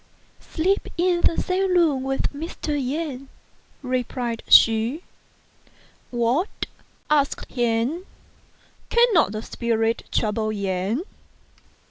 Sleep in the same room with Mr. Yen," replied she. " What !" asked he, " cannot the spirits trouble Yen